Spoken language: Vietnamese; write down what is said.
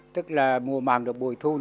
tức là mùa màng được bồi thu